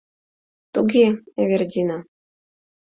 — Туге, Эвердина...